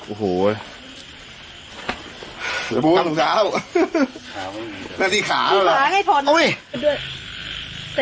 ออกให้หน่อยโอ้โหเข้ามาเลยทำมาเร็ก